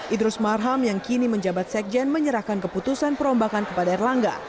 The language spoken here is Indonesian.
idrus marham yang kini menjabat sekjen menyerahkan keputusan perombakan kepada erlangga